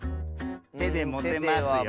てでもてますよ。